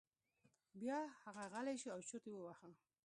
بیا هغه غلی شو او چرت یې وواهه.